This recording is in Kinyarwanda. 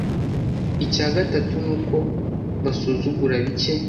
Icya gatatu nuko basuzugura bike